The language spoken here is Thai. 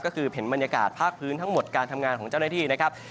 ก็คือเห็นบรรยากาศภาคพื้นทั้งหมดการทำงานของเจ้าหน้าที่นะครับ